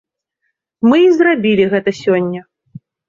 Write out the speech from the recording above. Мы і зрабілі гэта сёння.